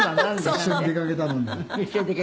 「一緒に出かけたのに」